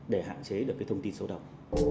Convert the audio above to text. để hạn chế được cái thông tin xấu độc